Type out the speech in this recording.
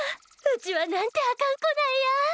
うちはなんてあかん子なんや！